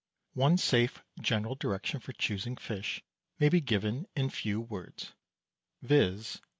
One safe general direction for choosing fish may be given in few words, viz.